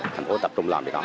thành phố tập trung làm việc đó